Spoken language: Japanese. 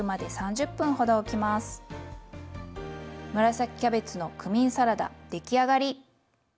紫キャベツのクミンサラダ出来上がり。